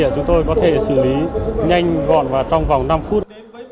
chúng tôi có thể xử lý nhanh gọn và trong vòng năm phút